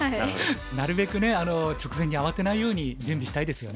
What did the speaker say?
なるべくね直前に慌てないように準備したいですよね。